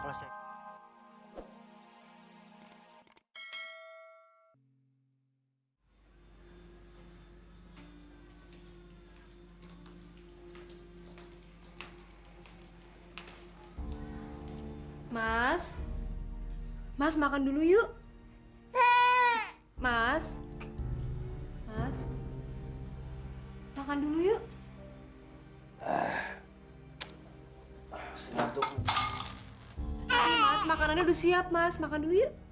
mas makan dulu yuk